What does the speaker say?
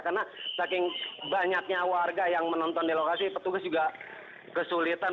karena saking banyaknya warga yang menonton di lokasi petugas juga kesulitan